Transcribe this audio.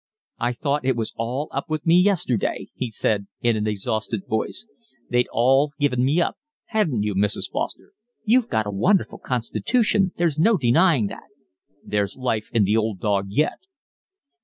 "I thought it was all up with me yesterday," he said, in an exhausted voice. "They'd all given me up, hadn't you, Mrs. Foster?" "You've got a wonderful constitution, there's no denying that." "There's life in the old dog yet."